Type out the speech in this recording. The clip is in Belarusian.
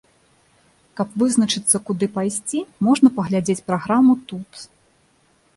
Каб вызначыцца, куды пайсці, можна паглядзець праграму тут.